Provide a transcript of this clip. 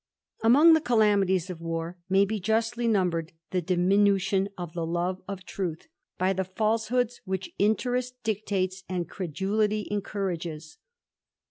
Among the calamities of war may be justly numbered diminution of the love of truth, by the falsehoods wli interest dictates and credulity encourages.